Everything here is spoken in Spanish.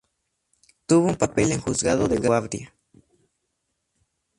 Tuvo un papel en Juzgado de guardia.